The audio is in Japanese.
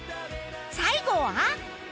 最後は